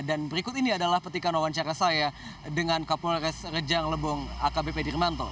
dan berikut ini adalah petikan wawancara saya dengan kapolres rejang lebong akbp dirmanto